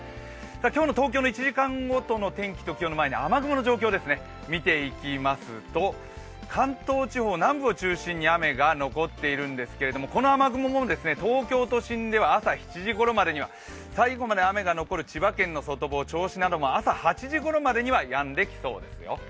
今日の東京の１時間ごとの天気の前に雨雲を見ていきますと、関東地方南部を中心に雨が残っているんですがこの雨雲も東京都心では朝７時ごろまでには最後まで雨が残る千葉県の外房、銚子なども朝８時ごろまでにはやんできそうですよ。